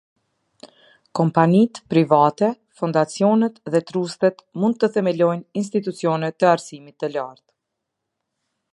Kompanitë private, fondacionet dhe trustet mund të themelojnë institucione te arsimit të lartë.